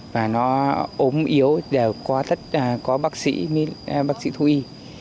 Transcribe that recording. và nó ốm yếu có bác sĩ thu y